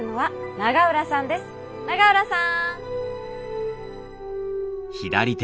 永浦さん！